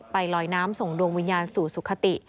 ลอยน้ำส่งดวงวิญญาณสู่สุขติ